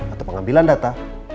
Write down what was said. atau pengambilan data